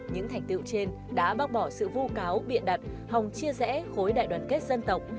những thành tựu trên đã bác bỏ sự vu cáo biện đặt hòng chia rẽ khối đại đoàn kết dân tộc